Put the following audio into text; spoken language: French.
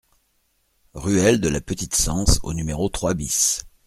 Ruelle de la Petite Cense au numéro trois BIS